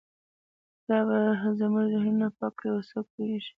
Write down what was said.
دا به زموږ ذهنونه پاک کړي او څوک پوهیږي